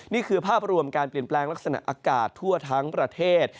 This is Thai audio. นี่คือภาพรวมการเปลี่ยนแปลงลักษณะอากาศทั่วทั้งประเทศ